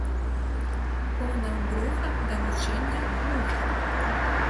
Поўна бруха да вучэння глуха